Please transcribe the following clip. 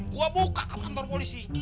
gue buka kantor polisi